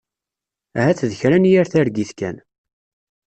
Ahat d kra n yir targit kan.